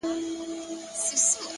د زړه سکون له روښانه وجدان راځي!.